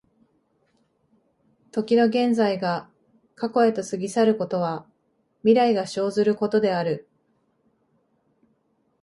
時の現在が過去へと過ぎ去ることは、未来が生ずることである。